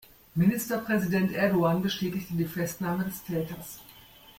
Ministerpräsident Erdoğan bestätigte die Festnahme des Täters.